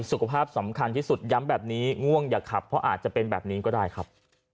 สุขภาพสำคัญที่สุดย้ำแบบนี้ง่วงอย่าขับเพราะอาจจะเป็นแบบนี้ก็ได้ครับ